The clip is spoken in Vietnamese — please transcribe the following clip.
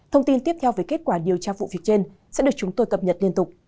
thông tin tiếp theo về kết quả điều tra vụ việc trên sẽ được chúng tôi cập nhật liên tục